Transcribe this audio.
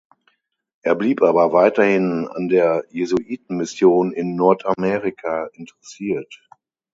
Er blieb aber weiterhin an der Jesuitenmission in Nordamerika interessiert.